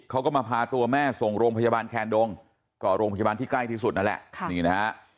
เขาก็มาพาตัวแม่ส่งโรงพยาบาลแคนดงก็โรงพยาบาลที่ใกล้ที่สุดนั่นแหละนี่นะฮะ